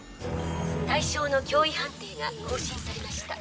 対象の脅威判定が更新されました。